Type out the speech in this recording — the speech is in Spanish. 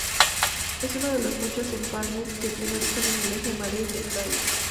Es uno de los muchos empalmes que tiene origen en el eje Madrid-Hendaya.